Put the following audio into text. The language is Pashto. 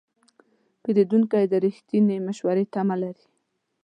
پیرودونکی د رښتینې مشورې تمه لري.